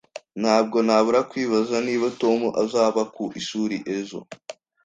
Ntabwo nabura kwibaza niba Tom azaba ku ishuri ejo